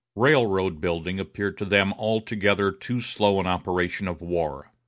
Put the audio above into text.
Railroad building appeared to them altogether too slow an operation of war.